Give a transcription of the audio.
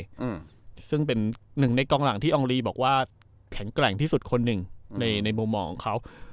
อืมซึ่งเป็นหนึ่งในกองหลังที่อองลีบอกว่าแข็งแกร่งที่สุดคนหนึ่งในในมุมมองของเขา